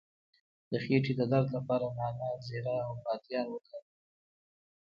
د خیټې د درد لپاره نعناع، زیره او بادیان وکاروئ